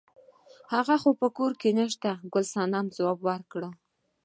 هغه خو په کور کې نشته ګل صمنې ځواب ورکړ.